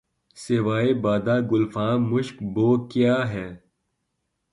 سوائے بادۂ گلفام مشک بو کیا ہے